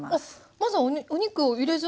まずはお肉を入れずに？